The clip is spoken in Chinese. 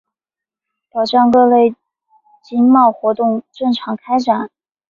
保障各类经贸活动正常开展